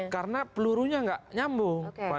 karena pelurunya tidak menyambung